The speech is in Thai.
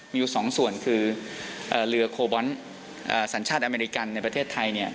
มีอยู่๒ส่วนคือเรือโคบอลสัญชาติอเมริกันในประเทศไทย